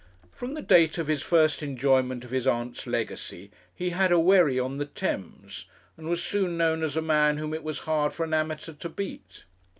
From the date of his first enjoyment of his aunt's legacy he had a wherry on the Thames, and was soon known as a man whom it was hard for an amateur to beat.